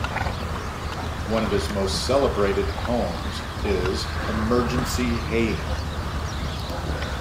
One of his most celebrated poems is "Emergency Haying".